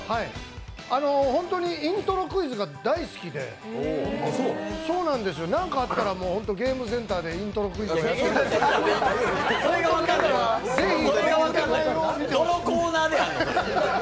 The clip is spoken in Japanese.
本当にイントロクイズが大好きで、何かあったらゲームセンターでイントロクイズをやってるそれが分かんない、どのコーナーでやんの？